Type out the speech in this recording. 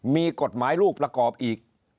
มีกฎหมายลูกประกอบอีก